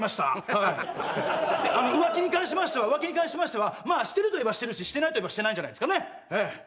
はいあの浮気に関しましてはまあしてるといえばしてるししてないといえばしてないんじゃないですかねええ